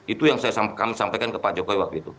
itu yang kami sampaikan ke pak jokowi waktu itu